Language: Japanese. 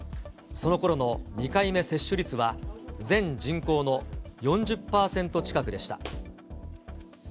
そのころの２回目接種率は、全人口の４０％近くでした。